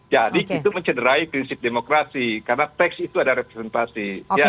jadi itu mencederai prinsip demokrasi karena tax itu ada representasi